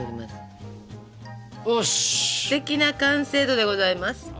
すてきな完成度でございます。